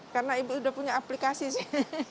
karena ibu sudah punya aplikasi sih